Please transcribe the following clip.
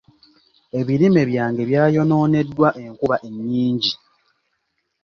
Ebirime byange byayonooneddwa enkuba ennyingi.